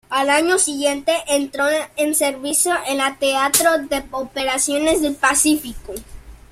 Al año siguiente entró en servicio en la teatro de operaciones del Pacífico.